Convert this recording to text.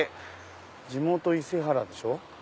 「地元伊勢原」でしょ。